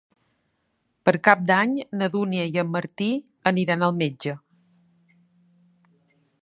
Per Cap d'Any na Dúnia i en Martí aniran al metge.